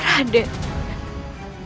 aku akan menangkapmu